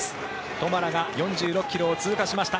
トマラが４６ｋｍを通過しました。